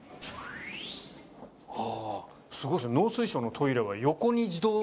あぁすごいですね。